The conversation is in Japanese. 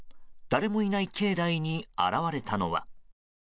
誰もいない境内に現れたのは。